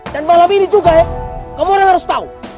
dan malam ini juga ya kamu orang harus tau